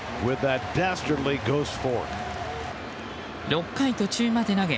６回途中まで投げ